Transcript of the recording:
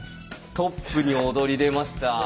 トップに躍り出ました。